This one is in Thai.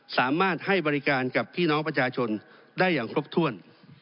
สามารถให้บริการกับพี่น้องประชาชนได้อย่างครบถ้วน